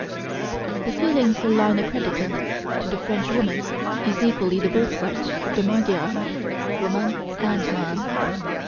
The feeling for line accredited to the French woman is equally the birthright of the Magyar woman and man.